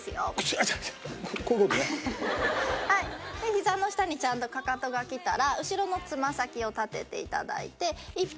ひざの下にちゃんとかかとがきたら後ろのつま先を立てていただいて１歩２歩後ろに。